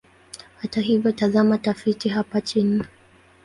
Hata hivyo, tazama tafiti hapa chini.